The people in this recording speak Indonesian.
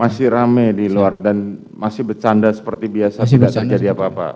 masih rame di luar dan masih bercanda seperti biasa tidak terjadi apa apa